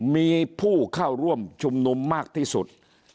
มีผู้เข้าร่วมชุมนุมมากที่สุด